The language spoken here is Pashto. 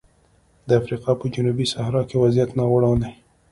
د افریقا په جنوبي صحرا کې وضعیت ناوړه دی.